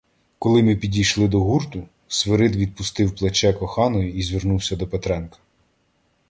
Коли ми підійшли до гурту, Свирид відпустив плече коханої і звернувся до Петренка: